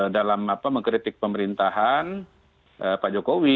dalam mengkritik pemerintahan pak jokowi